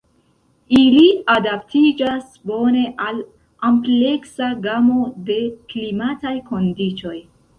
Ili adaptiĝas bone al ampleksa gamo de klimataj kondiĉoj.